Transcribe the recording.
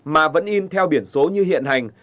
mà vẫn in theo biển số như hiện hành